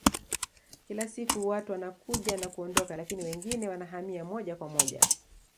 Kila siku watu wanakuja na kuondoka lakini wengine wanahamia moja kwa moja